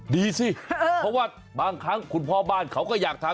ดีสิเพราะว่าบางครั้งคุณพ่อบ้านเขาก็อยากทำ